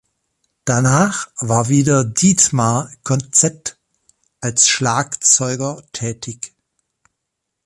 Danach war wieder Dietmar Konzett als Schlagzeuger tätig.